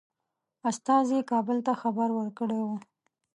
استازي کابل ته خبر ورکړی وو.